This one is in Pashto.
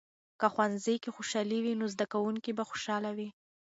که ښوونځۍ کې خوشحالي وي، نو زده کوونکي به خوشحاله وي.